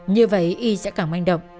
như vậy y sẽ cảng manh động